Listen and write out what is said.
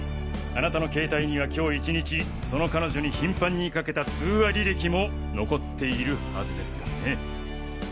あなたの携帯には今日１日その彼女に頻繁にかけた通話履歴も残っているはずですからね。